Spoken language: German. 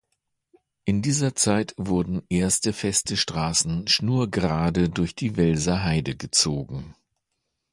In dieser Zeit wurden erste feste Straßen schnurgerade durch die Welser Heide gezogen.